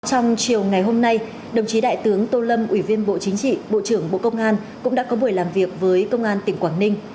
trong chiều ngày hôm nay đồng chí đại tướng tô lâm ủy viên bộ chính trị bộ trưởng bộ công an cũng đã có buổi làm việc với công an tỉnh quảng ninh